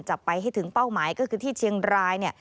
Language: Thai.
จับไปให้ถึงเป้าหมายก็คือที่เชียงร้าย